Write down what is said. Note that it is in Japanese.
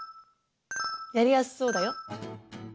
やりやすそうだよ。